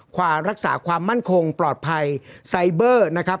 ความรักษาความมั่นคงปลอดภัยไซเบอร์นะครับ